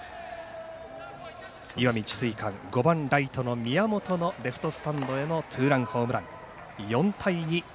石見智翠館、５番ライトの宮本のレフトスタンドへのツーランホームラン、４対２。